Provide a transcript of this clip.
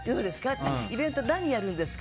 って言われてイベント何やるんですか？